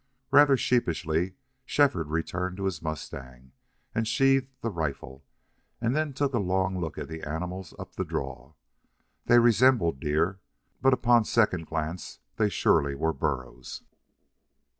Rather sheepishly Shefford returned to his mustang and sheathed the rifle, and then took a long look at the animals up the draw. They, resembled deer, but upon second glance they surely were burros.